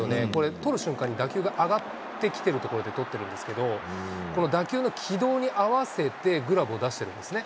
捕る瞬間に打球が上がってきてるところで捕ってるんですけど、この打球の軌道に合わせて、グラブを出してるんですね。